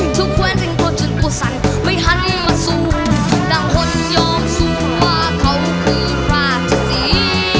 ทุกแควร์สิ่งโทรจนตัวสันไม่หันมาสู่ทุกกลางคนยอมสู้ว่าเขาคือพระเจสี